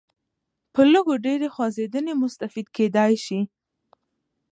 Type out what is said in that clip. په لږ و ډېرې خوځېدنې مستفید کېدای شي.